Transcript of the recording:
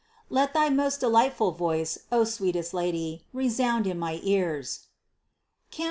Let thy most delightful voice, O sweet est Lady, resound in my ears (Cant.